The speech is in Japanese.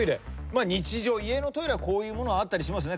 まあ日常家のトイレはこういうものあったりしますね。